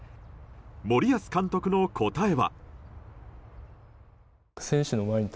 森保監督の答えは。